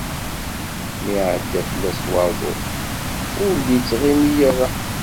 Mi iɛedda fell-as waḍu, ur d-ittɣimi ara.